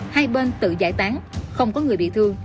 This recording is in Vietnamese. hai bên tự giải tán không có người bị thương